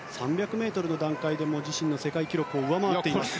３００ｍの段階で自身の世界記録を上回っています。